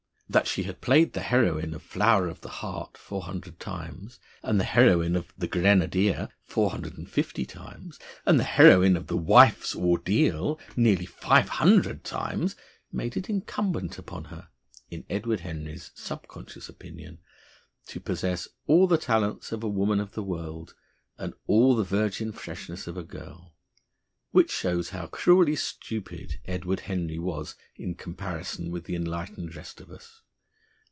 That she had played the heroine of "Flower of the Heart" four hundred times, and the heroine of "The Grenadier" four hundred and fifty times, and the heroine of "The Wife's Ordeal" nearly five hundred times, made it incumbent upon her, in Edward Henry's subconscious opinion, to possess all the talents of a woman of the world and all the virgin freshness of a girl. Which shows how cruelly stupid Edward Henry was in comparison with the enlightened rest of us.